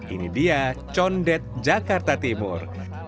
ini dia condet jakarta timur